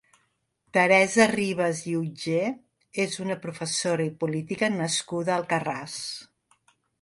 Teresa Ribes i Utgé és una professora i política nascuda a Alcarràs.